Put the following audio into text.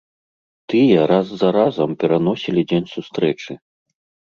Тыя раз за разам пераносілі дзень сустрэчы.